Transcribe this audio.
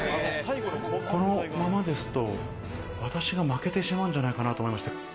このままですと私が負けてしまうんじゃないかなと。